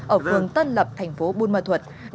ở phường tân lập thành phố bùn mơ thuật